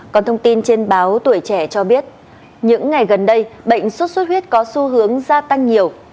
còn thông tin trên báo tuổi trẻ cho biết những ngày gần đây bệnh sốt xuất huyết có xu hướng gia tăng nhiều